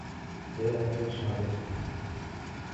Беҙ айырылышабыҙ.